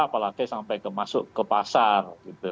apalagi sampai masuk ke pasar